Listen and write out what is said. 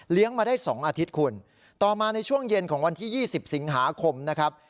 เลี้ยงมาได้สองอาทิตย์คุณต่อมาในช่วงเย็นของวันที่ยี่สิบสิงหาคมนะครับ